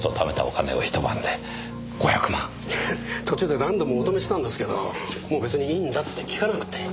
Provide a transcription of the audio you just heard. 途中で何度もお止めしたんですけどもう別にいいんだって聞かなくて。